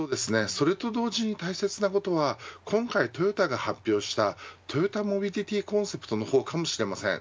それと同時に大切なことは今回トヨタが発表したトヨタモビリティコンセプトの方かもしれません。